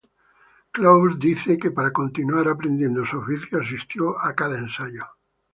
Close dice que para continuar aprendiendo su oficio asistió a cada ensayo.